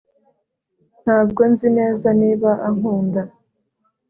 Ntabwo nzi neza niba ankunda